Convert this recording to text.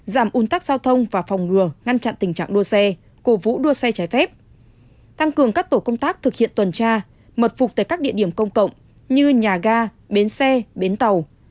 giảm un tắc giao thông và phòng ngừa ngăn chặn tình trạng đua xe cổ vũ đua xe trái phép tăng cường các tổ công tác thực hiện tuần tra mật phục tại các địa điểm công cộng như nhà ga bến xe bến tàu